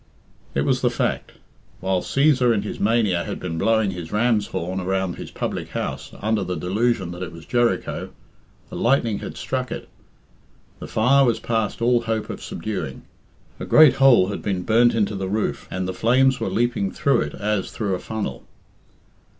It was the fact. While Cæsar in his mania had been blowing his ram's horn around his public house under the delusion that it was Jericho, the lightning had struck it. The fire was past all hope of subduing. A great hole had been burnt into the roof, and the flames were leaping through it as through a funnel.